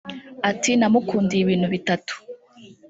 Ati “Namukundiye ibintu bitatu